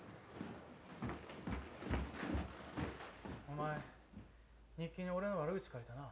・お前日記に俺の悪口書いたな。